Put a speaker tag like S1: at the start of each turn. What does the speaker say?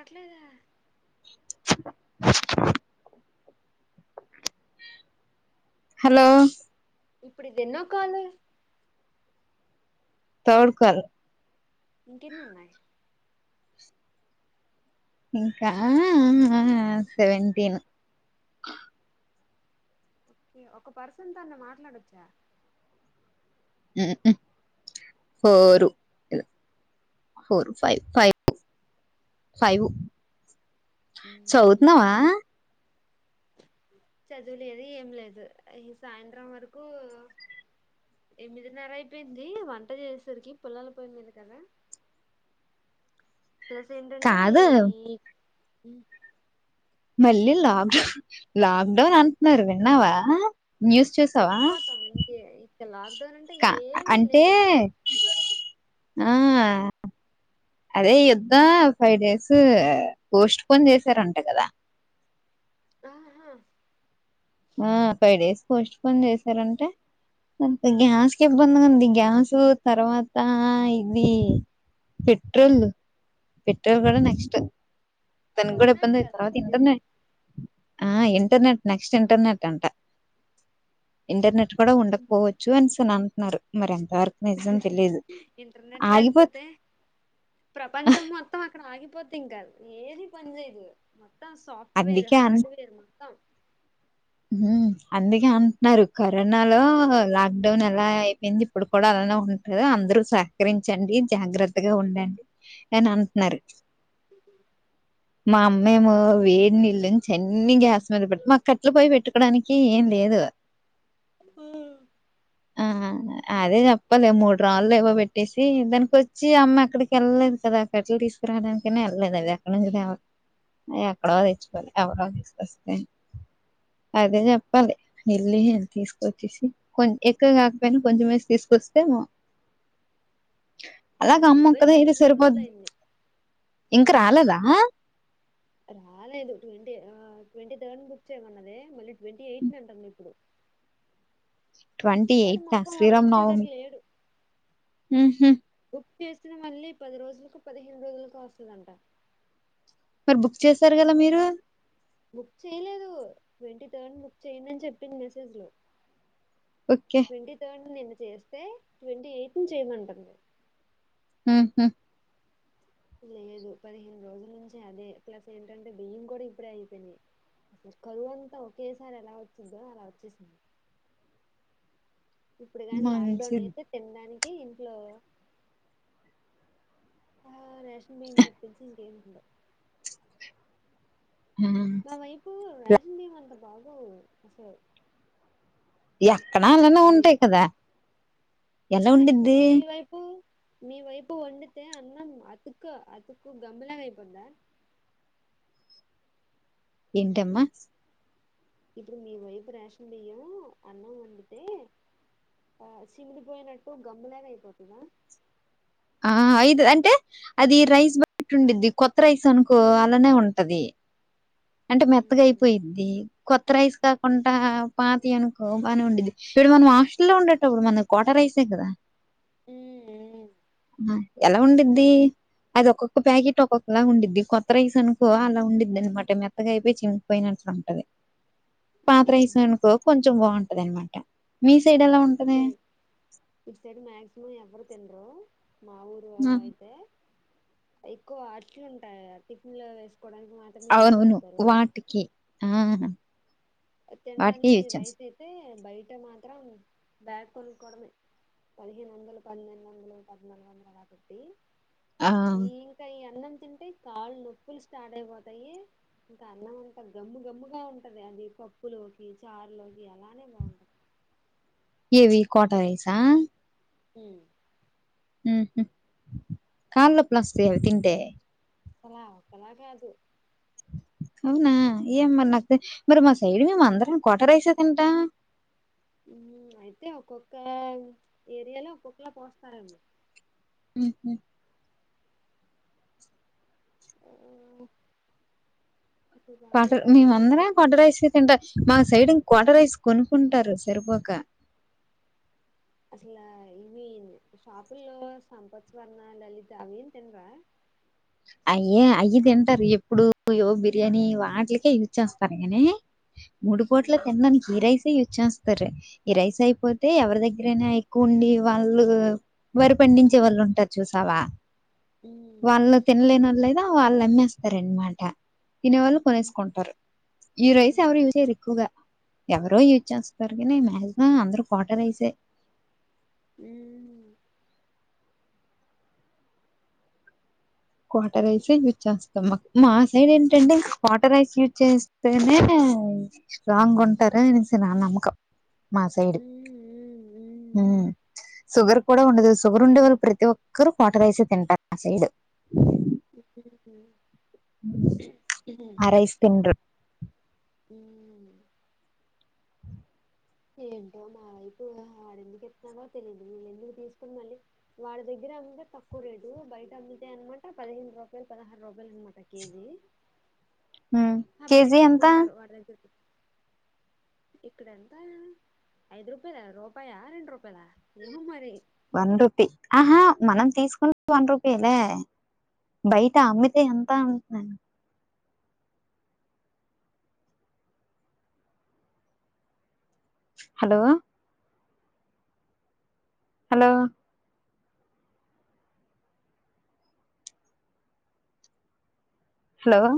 S1: అట్లదా
S2: [inaudible] hello
S1: ఇప్పుడిదెన్నో call
S2: third call
S1: ఇంక ఎన్ని ఉన్నాయి
S2: ఇంకా ఆ ఆ ఆ సెవెంటీన్
S1: ఓకే ఒక పర్సన్ తను మాట్లాడొచ్చా
S2: ఉమ్ ఉ four four five five five చౌతున్నావా
S1: చదువులేదు ఏం లేదు ఈ సాయంత్రం వరకు ఎనిమిదిన్నర అయిపోయింది వంట చేసేసరికి పుల్లల పోయ్మీద కదా ప్లస్ ఏంటంటే
S2: కాదు
S1: ఈ ఉమ్
S2: మళ్ళీ లాక్డౌన్ లాక్డౌన్ అంటున్నారు విన్నావా న్యూస్ చూసావా
S1: సచిపోతాం ఇంకే ఇంకా లాక్ డౌన్ అంటే
S2: కా
S1: ఏమీ
S2: అంటే
S1: లేదు ఇంకా
S2: ఆ అదే యుద్ధ ఫైవ్ డేస్ పోస్ట్ పోన్ చేసారంట కదా
S1: ఆహా
S2: ఆ ఫైవ్ డేస్ పోస్ట్పోన్ చేసారంట అంత గ్యాస్కి ఇబ్బంది ఉంది గ్యాస్ తర్వాత ఇది పెట్రోల్ పెట్రోల్ కూడా నెక్స్ట్ తను కూడా
S1: బంద్ అంట
S2: ఇబంది
S1: కదా
S2: తర్వాత
S1: ఒక పీరియడ్.
S2: ఇంటర్నెట్ ఆ ఇంటర్నెట్ నెక్స్ట్ ఇంటర్నెట్ అంట ఇంటర్నెట్ కూడా ఉండకపోవచ్చు అనేసని అంటున్నారు మరి అంత
S1: ఇంటర్నెట్
S2: ఆగిపోత్
S1: లేకపోతే ప్రపంచం మొత్తం అక్కడ ఆగిపో ప్పతీంకా ఏరి పని ఇదు మొత్తం సాఫ్ట్వేర్
S2: అందుకే అన్
S1: హార్ట్వేర్ మొత్తం
S2: అందుకే అంటున్నారు కరోనా లో లాక్డౌన్ ఎలా అయిపోయింది ఇప్పుడు కూడా అ ఉంట అందరూ సహకరించండి జాగ్రత్తగా ఉండండి అని అంటున్నారు మా అమ్మమో వేడినిల్లు నుంచీ అన్ని గ్యాస్ మీద పెట్టి మాక్క కట్లు పోయ్యి పెట్టుకోడానికి ఏం లేదు
S1: ఆ
S2: ఆ అదే చెప్పలే మూడు రాళ్ళు ఏవో పెట్టేసి దానికి వచ్చి అమ్మ అక్కడికి వెళ్ళలేదు అదా కట్టలు తీసుకురాడానికైనా వెళ్ళలేదు అది ఎక్కడి నుంచి తేవాలి ఎక్కడో తెచ్చుకోవాలి ఎవరో తీసుకొస్తే అదే చెప్పాలి వెళ్లి తీసుకొచ్చేసి కొ ఎక్కువ కాకపోయినా కొంచెం వేసి తీసుకొచ్చ వస్తేమో అలాగ
S1: మాది
S2: అమ్మ
S1: అయిపోయి
S2: ఒక్కదైన
S1: పదిహేను
S2: సరిపోద్
S1: రోజులు అయింది
S2: ఇంకా రాలేదా
S1: రాలేదు ట్వంటీ ట్వంటీ థర్డ్ బుక్ చేయమన్నదే మళ్ళీ ట్వంటీ ఎయిట్ ని అంట ఇప్పుడు
S2: ట్వంట
S1: వాడు
S2: ఎయిట్
S1: మొఖం వాడు
S2: శ్రీరామ్నవమి
S1: ఇచ్చేటట్టు లేడు చేసినా మళ్ళీ పది రోజులకు పదిహేను రోజులకు వస్తుందంట
S2: మరి బుక్ చేశారు కదా మీరు
S1: బుక్ చేయలేదు ట్వంటీ థర్డ్ బుక్ చేయండని చెప్పింది మెసేజ్ లో
S2: ఓకే.
S1: ట్వంటీ థర్డ్ నిన్న చేస్తే ట్వంటీ ఎయిత్ ని చేయమంటుంది.
S2: ఉహూ
S1: లేదు పదిహేను రోజుల నుంచి అదే ప్లస్ ఏంటంటే బియ్యం కూడా ఇప్పుడే అయిపోయినాయి. అసలు కరువు అంతా ఒకేసారి ఎలా వచ్చిందో అలా వచ్చేసింది. ఇప్పుడు కాని లాక్డౌన్
S2: మంచిది.
S1: అయితే తినడానికి ఇంట్లో ఆ రేషన్ బియ్యం తప్పిచ్చి ఇంకేం ఉండవు.
S2: ఆ!
S1: మా వైపు
S2: ఎ
S1: రేషన్ బియ్యం అంత బాగు అసలు
S2: ఎక్కడ అలానే
S1: అవి
S2: ఉంటాయి కదా ఎలా
S1: ఆహా ఇప్పుడు
S2: ఉండిద్ది?
S1: మీ వైపు మీ వైపు వండితే అన్నం అతుక అతుకు గమ్ముగా అయిపొద్ద
S2: ఎంటమ్మా
S1: ఇప్పుడు మీ వైపు రేషన్ బియ్యము అన్నం వండితే ఆ సిమిడి పోయినట్టు గమ్ము లాగా అయిపోతదా.
S2: ఆ ఐదు అంటే అది రైస్ బట్టి ఉండింది కొత్త రైస్ అనుకో అలానే ఉంటది. అంటే మెత్తగా
S1: మ్మ్
S2: అయిపోయిద్ది. కొత్త రైస్ కాకుండా పాతివి అనుకో అని ఉండేది ఇప్పుడు మనం హాస్టల్లో లో ఉండేటప్పుడు మన కోట రై కాద
S1: ఉమ్ ఉం
S2: ఎలా ఉండిద్ది. అది ఒక్కొక్క ప్యాకెట్ ఒక్కొక్కలాగా ఉండిది కొత్త రైస్ అనుకో అలా ఉండిది అనమాట మెత్తగా అయిపోయి చినిపోయినట్ అంటద్ పాత్ర
S1: మ్మ్
S2: రైసనుకో కొంచెం బాగుంటది అనమాట మీ సైడ్ ఎలా ఉంటది?
S1: ఇటు సైడ్ మక్సిమం ఎవరు తిన్రరూ మా ఊరు
S2: ఆ!
S1: అయితే ఎక్కువ అట్లు ఉంటాయి టిఫిన్ లో వే
S2: అవునవును వాటికి ఆ వాటికే
S1: తినడానికి
S2: యూజ్
S1: రైస్
S2: చేస్తాం.
S1: అయితే బయట మాత్రం బ్యాగ కొనుకోవడమే పదిహేను వందలు పన్నెండోదాలు పద్నాలుగుంగ పటి
S2: ఆ!
S1: ఈ ఇంకా ఈ అన్నం తింటే కాళ్ళు నొప్పులు స్టార్ట్ అయిపోతాయి ఇంత అన్నం అంతా గమ్ము గమ్ముగా ఉంటది అది పప్పులోకి చారులోకి అలానే బాగుంటది.
S2: ఏవి కోట రైసా
S1: ఉం
S2: ఉహు కాళ్ళు నొప్పులు వస్తాయా అవి తింటే
S1: ఒకలా ఒకక్కలా కా అదు
S2: అవునా ఏ మరి నాకు మరి మా సైడ్ మేము అందరం కోట రైసే తింటాం
S1: అయితే ఒక్కొక్క ఏరియాలో ఒక్కొక్కలా పోస్తారెమో
S2: ఉహు
S1: ఆ నాకు
S2: కొట
S1: బాగా వాడు ఎందుకు
S2: మేమందరం
S1: ఇస్తున్నాడో
S2: కొట్ట రైస్ తింటారు మా సైడ్ కోట రైస్ కొనుకుంటారు సరిపోక
S1: అసలా ఇవి షాపుల్లో సంపత్సవర్ణ లలిత అవేం తినరా
S2: అయ్యే అయ్యి తింటారు ఎప్పుడు యో బిర్యానీ వాటికే యూజ చేస్తారు కానీ మూడు పూట్ల
S1: ఉమ్
S2: తిన్నానికి ఈ రైస్ యూస్ చేస్తారు ఈ రైస్ అయిపోతే ఎవరి దగ్గరనా ఎక్కువ ఉండి వాళ్ళు వరిప పండించే వాళ్ళు ఉంటారు చూసావా
S1: ఉమ్
S2: వాళ్ళు తినలేని వాళ్ళు, వాళ్ళు అమ్మేస్తారనమాట. తినే వాళ్ళు
S1: ఉమ్
S2: కొనేసుకుంటారు ఈ రైస్ ఎవరు యూజ్ చెయ్యరు ఎక్కువగా ఎవరో యూజ్ చేస్తన్నారు కానీ మాక్సిమం అందరు కోట రైసే
S1: ఉమ్
S2: క్వాట రైస్ యూజ్ చేస్తాం మా మా సైడ్ ఏంటంటే క్వాట రైస్ యూజ్ చేస్తేనే స్ట్రాంగ్ ఉంటార అనేసి నా నమ్మకం మాసైడు ఉమ్ షుగర్ కూడా ఉండదు షుగర్ ఉండే వాళ్ళు ప్రతి ఒక్కరు కోట రైసే తింటారు మా సైడ్
S1: ఉమ్
S2: ఆ రైస్ తిన్రు
S1: ఉమ్ ఏంటో మా వైపు వాడెందుకు ఎస్తున్నావా తెలిదు వీళ్ళెందుకు తీసుకుొని మళ్ళీ వాడి దగ్గ అమ్ముతే తక్కువ రేటు బయట అమ్మి అనమాట పదిహేను రూపాయలు పదహారు రూపాయలు అనమాట కేజీ
S2: హ్మ్
S1: ఆ
S2: కేజీ
S1: బయటప్పు
S2: ఎంత
S1: ఉంటారు వాడి దగ్గరికి ఇక్కడని ఐదు రూపాయద రూపాయ రెండు రూపా
S2: వన్ రుపీ ఆహా మనం తీసుకుంటే వన్ రూపాయలే బయట అమ్మితే ఎంత అంటున్నాను హలో హలో హలో